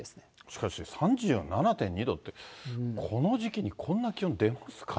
しかし３７．２度ってこの時期にこんな気温、出ますか？